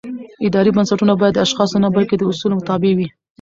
اداري بنسټونه باید د اشخاصو نه بلکې د اصولو تابع وي